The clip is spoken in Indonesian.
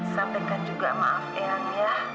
sampaikan juga maaf eyang ya